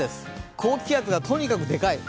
高気圧がとにかく大きい。